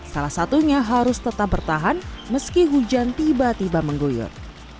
salah satunya harus tetap bertahan meski hujan tiba tiba mengguyur